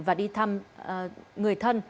và đi thăm người thân